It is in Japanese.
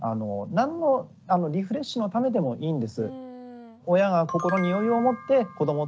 何のリフレッシュのためでもいいんです。